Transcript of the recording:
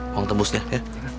uang tembusnya ya